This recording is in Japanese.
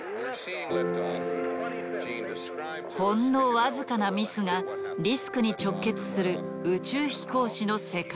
ほんの僅かなミスがリスクに直結する宇宙飛行士の世界。